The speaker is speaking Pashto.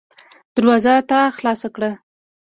دروازه تا خلاصه کړه.